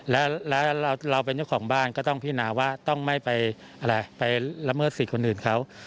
แล้วเราเป็นเจ้าของบ้านก็ต้องพินาว่าต้องไม่ไปอะไรไปละเมิดสิทธิ์คนอื่นเขา